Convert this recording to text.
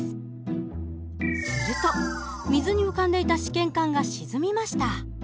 すると水に浮かんでいた試験管が沈みました。